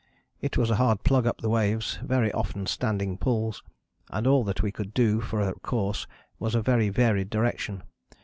It was a hard plug up the waves, very often standing pulls, and all that we could do for a course was a very varied direction.